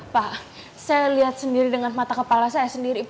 pak saya lihat sendiri dengan mata kepala saya sendiri